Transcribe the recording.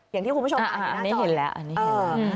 อย่างที่คุณผู้ชมอ่านอยู่หน้าจออันนี้เห็นแล้วอันนี้เห็นแล้ว